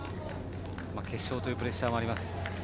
決勝というプレッシャーもあります。